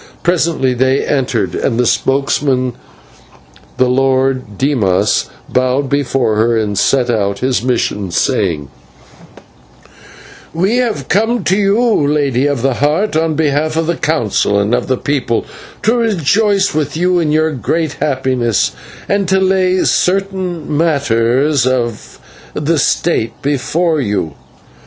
Presently they entered, and the spokesman, the Lord Dimas, bowed before her and set out his mission, saying: "We have come to you, Lady of the Heart, on behalf of the Council and of the people, to rejoice with you in your great happiness, and to lay certain matters of the state before you.